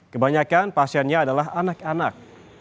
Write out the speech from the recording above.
kebanyakan pasiennya adalah anak anak